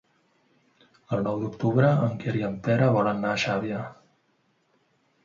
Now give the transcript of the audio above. El nou d'octubre en Quer i en Pere volen anar a Xàbia.